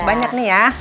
banyak nih ya